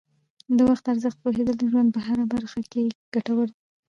د وخت ارزښت پوهیدل د ژوند په هره برخه کې ګټور دي.